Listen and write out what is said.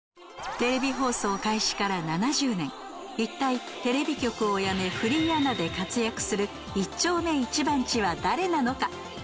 テレビ放送開始から７０年一体テレビ局を辞めフリーアナで活躍する一丁目一番地は誰なのか？